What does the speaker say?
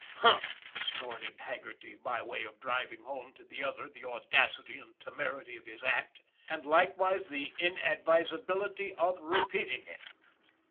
" Huh !" snorted Haggerty, by way of driving home to the other the audacity and temerity of his act, and likewise the inadvisability of repeating it.